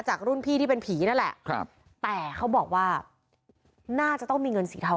รุ่นพี่ที่เป็นผีนั่นแหละครับแต่เขาบอกว่าน่าจะต้องมีเงินสีเทา